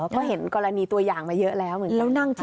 เพราะเห็นกรณีตัวอย่างมาเยอะแล้วเหมือนกัน